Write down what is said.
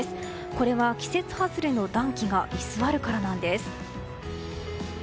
これは季節外れの暖気が居座るからなんです。